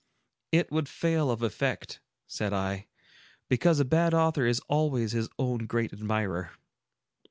"It would fail of effect," said I, "because a bad author is always his own great admirer."